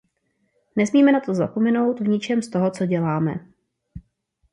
Nesmíme na toto zapomenout v ničem z toho, co děláme.